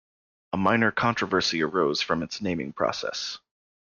A minor controversy arose from its naming process.